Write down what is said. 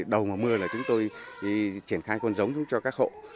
đầu mưa chúng tôi triển khai con giống cho các hộ